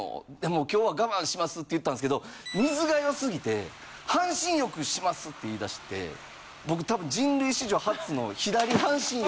「もう今日は我慢します」って言ったんですけど水が良すぎて「半身浴します」って言い出して僕多分。